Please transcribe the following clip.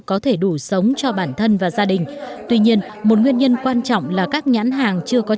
có thể đủ sống cho bản thân và gia đình tuy nhiên một nguyên nhân quan trọng là các nhãn hàng chưa có